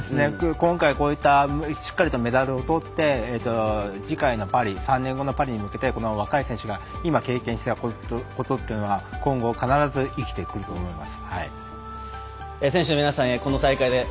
今回、こういったしっかりとメダルをとって次回のパリ３年後のパリに向けて若い選手が今経験したことというのは今後、必ず生きてくると思います。